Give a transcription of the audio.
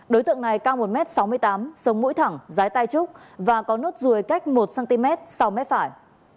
đối tượng này cao một m sáu mươi tám sống mũi thẳng dài tai trúc và có nốt ruồi cách một cm sau mé phải